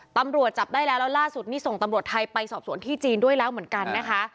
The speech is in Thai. ตำรวจจับได้แล้วแล้วล่าสุดนี่ส่งตำรวจไทยไปสอบสวนที่จีนด้วยแล้วเหมือนกันนะคะ